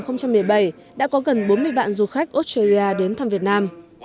năm hai nghìn một mươi bảy đã có gần bốn mươi vạn du khách australia đến thăm việt nam